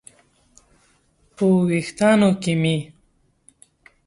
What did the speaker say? په ویښتانو کې مې